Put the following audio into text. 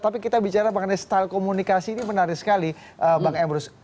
tapi kita bicara mengenai style komunikasi ini menarik sekali bang emrus